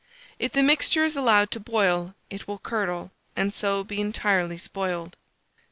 If the mixture is allowed to boil, it will curdle, and so be entirely spoiled.